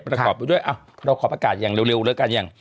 เราขอประกาศอย่างเร็วแล้วกันอย่าง